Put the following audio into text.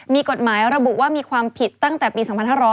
มีกฎหมายระบุว่ามีความผิดตั้งแต่ปี๒๕๕๙